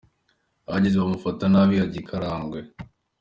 Ahageze bamufata nabi ajya I Karagwe.